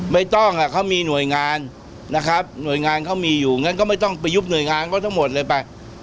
ไม่ต้องเขามีหน่วยงานนะครับหน่วยงานเขามีอยู่งั้นก็ไม่ต้องไปยุบหน่วยงานเขาทั้งหมดเลยไป